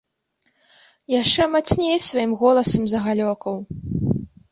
Яшчэ мацней сваім голасам загалёкаў.